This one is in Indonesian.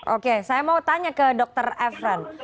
oke saya mau tanya ke dr efran